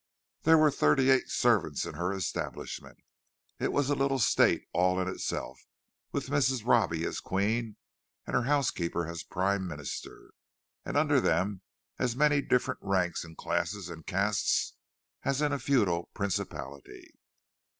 There were thirty eight servants in her establishment; it was a little state all in itself, with Mrs. Robbie as queen, and her housekeeper as prime minister, and under them as many different ranks and classes and castes as in a feudal principality.